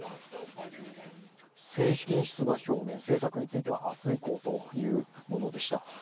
正式に出馬表明、政策については明日以降というものでした。